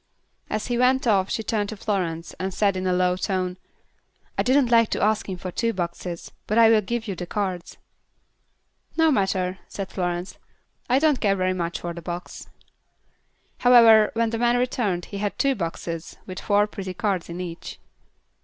As he went off, she turned to Florence and said in a low tone, "I didn't like to ask him for two boxes, but I will give you the cards." "No matter," said Florence. "I don't care very much for a box." However, when the man returned he had two boxes with four pretty cards in each.